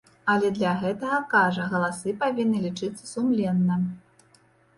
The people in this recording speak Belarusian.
А для гэтага, кажа, галасы павінны лічыцца сумленна.